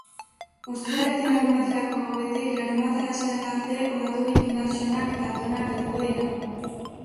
Ostiraletik larunbaterako gauetik larunbat arratsaldera arte olaturik indartsuenak eta altuenak helduko dira.